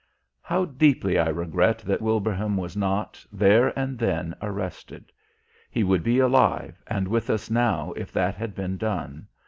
How deeply I regret that Wilbraham was not, there and then, arrested. He would be alive and with us now if that had been done.